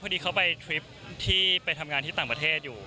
พอดีเขาไปทริปที่ไปทำงานที่ต่างประเทศอยู่